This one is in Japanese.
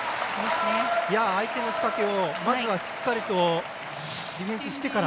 相手の仕掛けをまずはしっかりとディフェンスしてから。